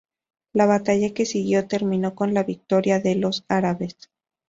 La batalla que siguió terminó con la victoria de los árabes.